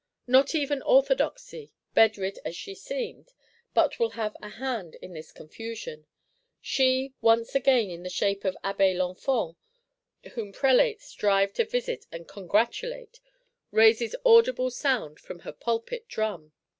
Not even Orthodoxy, bedrid as she seemed, but will have a hand in this confusion. She, once again in the shape of Abbé Lenfant, "whom Prelates drive to visit and congratulate,"—raises audible sound from her pulpit drum.